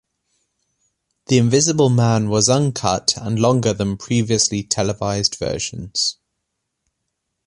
"The Invisible Man" was uncut and longer than previously televised versions.